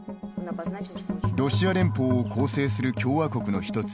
ロシア連邦を構成する共和国の一つ